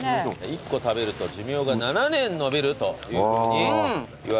１個食べると寿命が７年延びるというふうにいわれております。